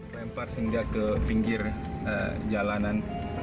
lempar sehingga ke pinggir jalanan